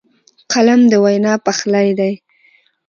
قلم د وینا پخلی دی